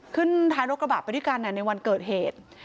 ขึ้นท้ายรถกระบะไปด้วยกันในวันเกิดเหตุ